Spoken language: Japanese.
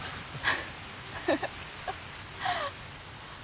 ハハハハ。